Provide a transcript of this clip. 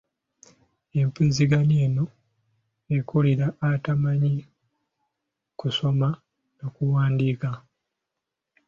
Empuliziganya eno ekugira atamanyi kusoma na kuwandiika.